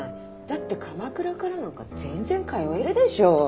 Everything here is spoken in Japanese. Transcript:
だって鎌倉からなんか全然通えるでしょう。